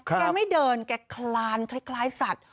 แกไม่เดินแกคลานคล้ายสัตว์